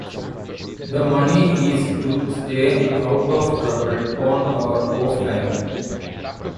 The money is to stay out of trouble on our off time.